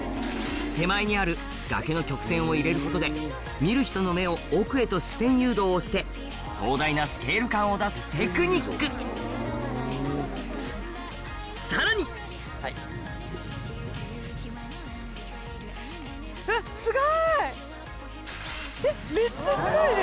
手前にある崖の曲線を入れることで見る人の目を奥へと視線誘導をして壮大なスケール感を出すテクニックさらにめっちゃすごいね！